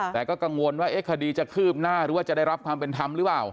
แต่ก็กังวลว่าคดีจะคืบหน้าหรือว่าจะได้รับความเป็นธรรมหรือเปล่า